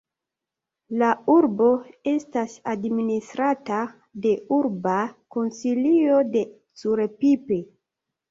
La urbo estas administrata de Urba Konsilio de Curepipe.